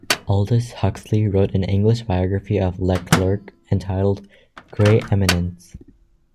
Aldous Huxley wrote an English biography of Leclerc entitled, "Grey Eminence".